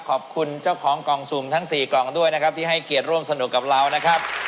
ขอบคุณเจ้าของกล่องสุ่มทั้ง๔กล่องด้วยนะครับที่ให้เกียรติร่วมสนุกกับเรานะครับ